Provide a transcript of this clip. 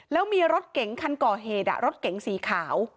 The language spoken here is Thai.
แล้วมีรถเก๋งคันก่อเหตุรถเก๋งสีขาว